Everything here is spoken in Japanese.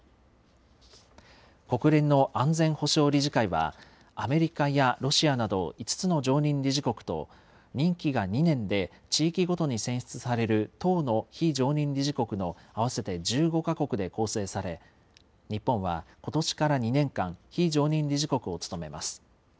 国連の安全保障理事会は、アメリカやロシアなど、５つの常任理事国と、任期が２年で地域ごとに選出される１０の非常任理事国の合わせて１５か国で構成され、日本はことしから２年間、非常任理事国を務めます。